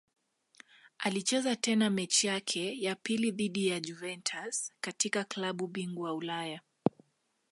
Alicheza tena mechi yake ya pili dhidi ya Juventus katika klabu bingwa Ulaya.